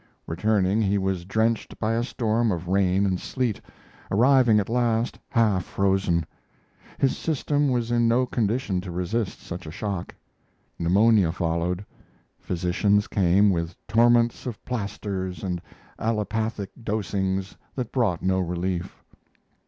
Returning he was drenched by a storm of rain and sleet, arriving at last half frozen. His system was in no condition to resist such a shock. Pneumonia followed; physicians came with torments of plasters and allopathic dosings that brought no relief.